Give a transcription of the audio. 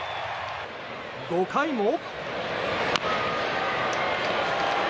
５回も。